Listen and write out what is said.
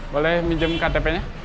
boleh minjem ktp nya